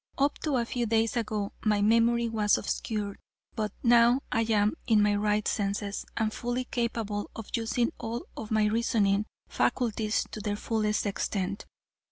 Up to a few days ago my memory was obscured, but now I am in my right senses and fully capable of using all of my reasoning faculties to their fullest extent.